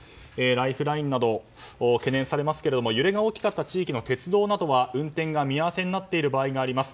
ライフラインなど懸念されますが揺れが大きかった地域の鉄道などは運転が見合わせになっている場合があります。